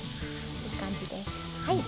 いい感じです。